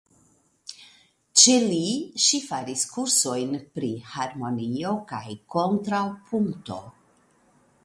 Ĉe li ŝi faris kursojn pri harmonio kaj kontrapunkto.